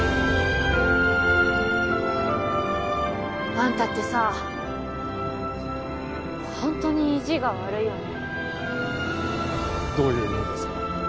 あんたってさホントに意地が悪いよねどういう意味ですか？